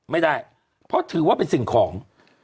ไม่ได้เพราะถือว่าเป็นสิ่งของ